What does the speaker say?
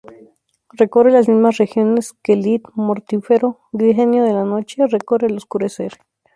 Recorre las mismas regiones que Lilith, mortífero genio de la noche, recorre al oscurecer.